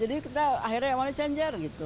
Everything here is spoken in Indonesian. jadi kita akhirnya emangnya changer gitu